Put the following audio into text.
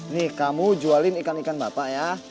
nih kamu jualin ikan ikan bapak ya